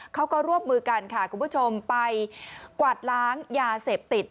เขาก็ร่วมมือกันค่ะคุณผู้ชมไปกวาดล้างยาเสพติด